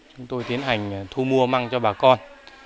chúng tôi tiến hành thu mua măng cho bà con